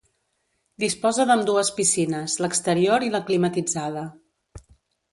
Disposa d'ambdues piscines, l'exterior i la climatitzada.